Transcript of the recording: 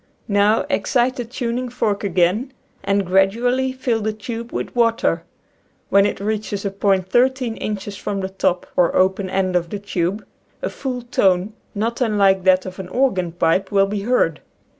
Now, excite the tuning fork again and gradu ally fill the tube with water. When it reaches a point thirteen inches from the top, or open end, of the tube, a full tone, not unlike that of an organ pipe, will be heard.